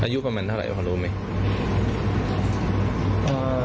อายุประมาณเท่าไหร่พอรู้ไหม